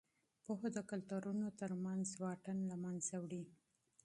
پوهه د کلتورونو ترمنځ واټن له منځه وړي.